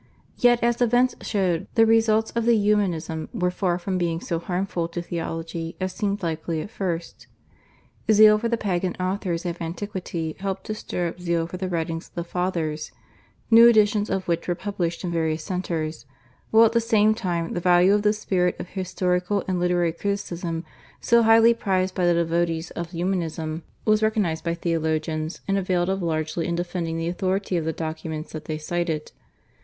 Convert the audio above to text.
Yet as events showed the results of Humanism were far from being so harmful to theology as seemed likely at first. Zeal for the pagan authors of antiquity helped to stir up zeal for the writings of the Fathers, new editions of which were published in various centres; while at the same time the value of the spirit of historical and literary criticism, so highly prized by the devotees of Humanism, was recognised by theologians, and availed of largely in defending the authority of the documents that they cited.